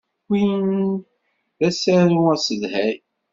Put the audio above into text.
Win d asaru asedhay.